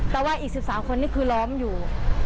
แต่ว่าอีก๑๓คนนี่คือล้อมอยู่